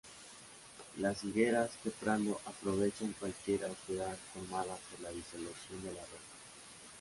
Las higueras trepando aprovechan cualquier oquedad formada por la disolución de la roca.